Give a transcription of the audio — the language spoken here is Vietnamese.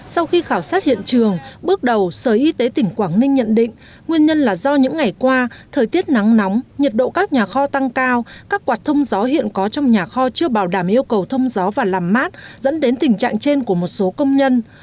sau khi khảo sát hiện trường bước đầu sở y tế tỉnh quảng ninh nhận định nguyên nhân là do những ngày qua thời tiết nắng nóng nhiệt độ các nhà kho tăng cao các quạt thông gió hiện có trong nhà kho chưa bảo đảm yêu cầu thông gió và làm mát dẫn đến tình trạng trên của một số công nhân